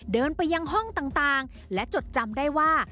เดินไปยังห้องต่างและจดจำได้ว่า